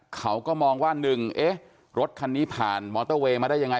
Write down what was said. เขาก็มองว่า๑เอ๊ะรถคันนี้ผ่านมอเตอร์เวย์มาได้ยังไง